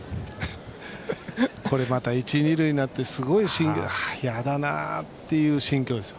これまた一、二塁になっていやだなという心境ですよ。